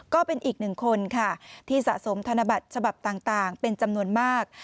ก็เป็นอีกหนึ่งคนค่ะที่สะสมธนบัตรฉบับต่างเป็นจำนวนมาก